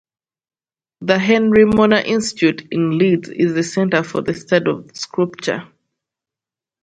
The Henry Moore Institute in Leeds is a centre for the study of sculpture.